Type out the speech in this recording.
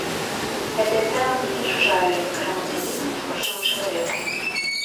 Гэтая тэма мне не чужая, як грамадзяніну і творчаму чалавеку.